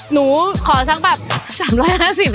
หนูขอดังสั้นแบบ๓๕๐แล้ว